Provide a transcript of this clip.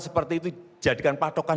seperti itu jadikan padokan